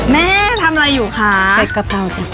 แม่ทำอะไรอยู่คะเต็ดกะเพราจริง